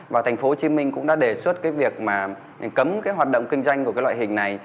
và thành phố hồ chí minh cũng đã đề xuất cái việc mà cấm cái hoạt động kinh doanh của cái loại hình này